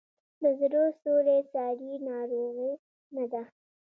د زړه سوری ساري ناروغي نه ده.